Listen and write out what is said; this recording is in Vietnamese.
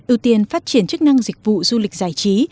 ưu tiên phát triển chức năng dịch vụ du lịch giải trí